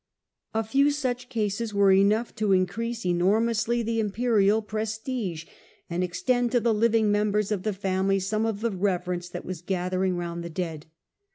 A few such cases were enough to increase enormously the imperial prestigCy and ex tend to the living members of the family some of the reverence that was gathering round the dead.